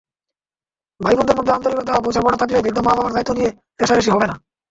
ভাইবোনদের মধ্যে আন্তরিকতা, বোঝাপড়া থাকলে বৃদ্ধ মা-বাবার দায়িত্ব নিয়ে রেষারেষি হবে না।